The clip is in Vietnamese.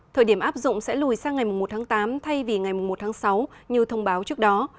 thời điểm áp dụng sẽ lùi sang ngày một tháng tám thay vì ngày một tháng sáu như thông báo trước đó